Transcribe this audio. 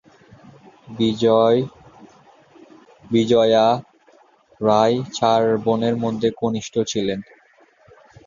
বিজয়া রায় চার বোনের মধ্যে কনিষ্ঠ ছিলেন।